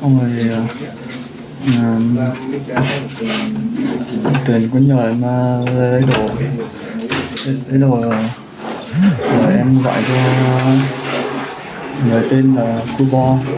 xong rồi tuyển con nhỏ em lấy đồ lấy đồ rồi em gọi cho người tên là cuba